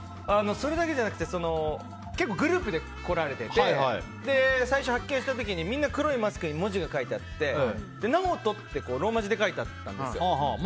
それだけじゃなくて結構グループで来られてて最初、発見した時に黒いマスクに文字が書いてあって「ＮＡＯＴＯ」ってローマ字で書いてあったんです。